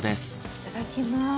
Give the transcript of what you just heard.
いただきます